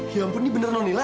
ya ampun ini benar nonila